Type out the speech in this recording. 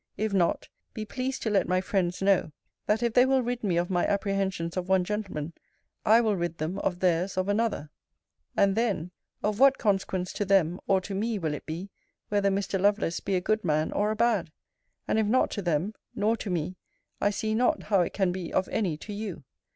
If not, be pleased to let my friends know, that if they will rid me of my apprehensions of one gentleman, I will rid them of their of another: And then, of what consequence to them, or to me, will it be, whether Mr. Lovelace be a good man, or a bad? And if not to them, nor to me, I see not how it can be of any to you.